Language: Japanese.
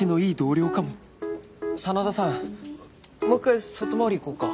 真田さんもう一回外回り行こうか。